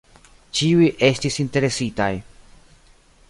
Ĉiuj estis interesitaj.